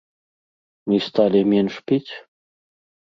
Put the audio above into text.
Мы сталі менш піць?